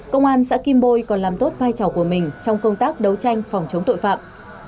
công an xã kim bôi còn làm tốt vai trò của mình trong công tác đấu tranh phòng chống tội phạm